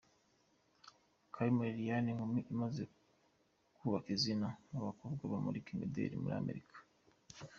Kalima Liliane inkumi imaze kubaka izina mu bakobwa bamurika imideri ku muri Amerika.